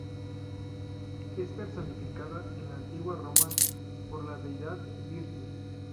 Es personificada en la Antigua Roma por la deidad Virtus.